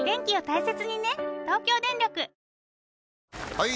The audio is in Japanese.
・はい！